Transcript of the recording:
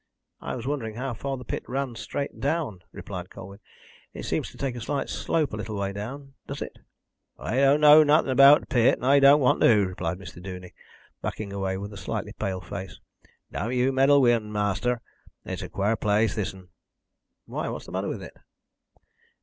"I was wondering how far the pit ran straight down," replied Colwyn. "It seems to take a slight slope a little way down. Does it?" "I doan't know narthin' about th' pit, and I doan't want to," replied Mr. Duney, backing away with a slightly pale face. "Doan't yow meddle wi' un, ma'aster. It's a quare place, thissun." "Why, what's the matter with it?"